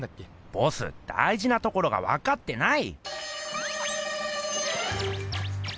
ボスだいじなところがわかってない！